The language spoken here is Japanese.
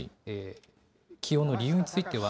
起用の理由については。